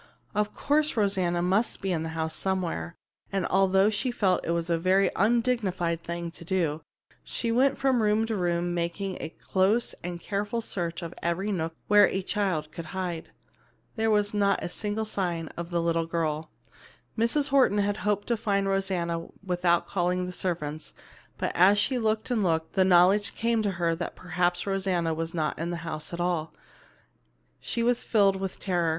Of course Rosanna must be in the house somewhere, and although she felt it was a very undignified thing to do, she went from room to room making a close and careful search of every nook where a child could hide. There was not a single sign of the little girl. Mrs. Horton had hoped to find Rosanna without calling the servants, but as she looked and looked, and the knowledge came to her that perhaps Rosanna was not in the house at all, she was filled with terror.